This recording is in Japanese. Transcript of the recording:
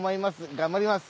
頑張ります。